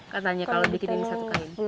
katanya kalau bikin ini satu kain